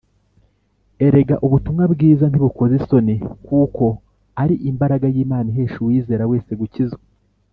Erega ubutumwa bwiza ntibunkoza isoni: kuko ari imbaraga y’Imana ihesha uwizera wese gukizwa